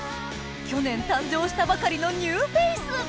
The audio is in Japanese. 去年誕生したばかりのニューフェース！